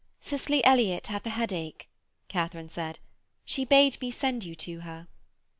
'Cicely Elliott hath a headache,' Katharine said; 'she bade me send you to her.'